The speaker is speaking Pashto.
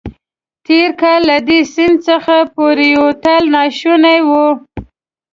تېر کال له دې سیند څخه پورېوتل ناشوني وو.